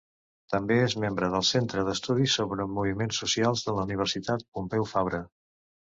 També és membre del Centre d'Estudis sobre Moviments Socials de la Universitat Pompeu Fabra.